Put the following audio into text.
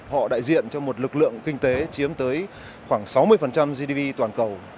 họ đại diện cho một lực lượng kinh tế chiếm tới khoảng sáu mươi gdp toàn cầu